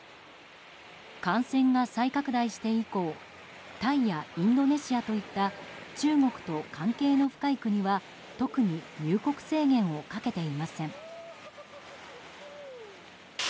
感染が再拡大して以降タイやインドネシアといった中国と関係の深い国は特に入国制限をかけていません。